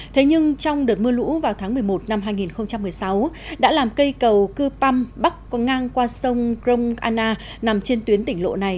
thế nhưng trong đợt mưa lũ vào tháng một mươi một năm hai nghìn một mươi sáu đã làm cây cầu cư păm bắc có ngang qua sông krong anna nằm trên tuyến tỉnh lộ này